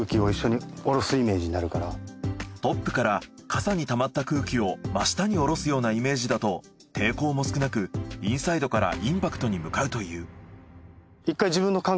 トップから傘にたまった空気を真下に下ろすようなイメージだと抵抗も少なくインサイドからインパクトに向かうという。